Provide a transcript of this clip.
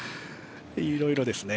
いろいろですね。